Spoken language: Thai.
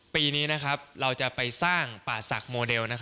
ปีนี้เราจะไปสร้างป่าศักดิโมเดล